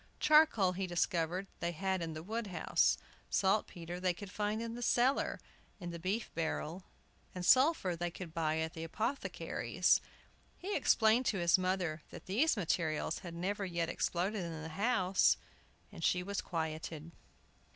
Charcoal, he discovered, they had in the wood house; saltpetre they would find in the cellar, in the beef barrel; and sulphur they could buy at the apothecary's. He explained to his mother that these materials had never yet exploded in the house, and she was quieted.